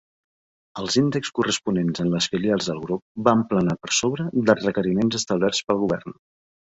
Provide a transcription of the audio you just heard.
Els índexs corresponents en les filials del Grup van planar per sobre dels requeriments establerts pel govern.